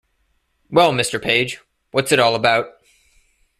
Well, Mr. Page, what's it all about?